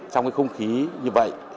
trong cái không khí như vậy